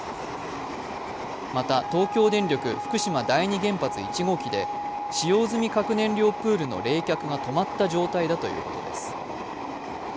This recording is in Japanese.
また、東京電力福島第２原発１号機で使用済み核燃料プールの冷却が止まった状態だということです。